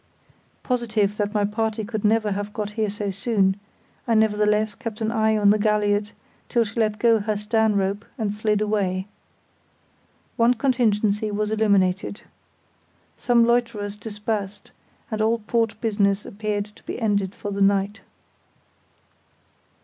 Positive that my party could never have got here so soon, I nevertheless kept an eye on the galliot till she let go her stern rope and slid away. One contingency was eliminated. Some loiterers dispersed, and all port business appeared to be ended for the night.